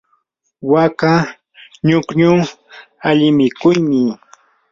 waka ñukñu alli mikuymi.